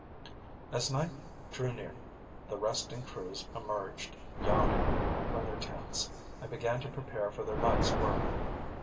As night drew near, the resting crews emerged, yawning, from their tents, and began to prepare for their night's work.